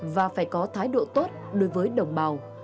và phải có thái độ tốt đối với đồng bào